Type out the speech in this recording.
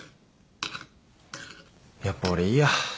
やっぱ俺いいや。